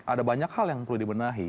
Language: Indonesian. ada banyak hal yang perlu dibenahi